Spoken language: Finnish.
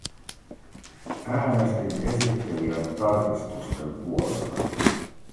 Äänestin esittelijän tarkistusten puolesta.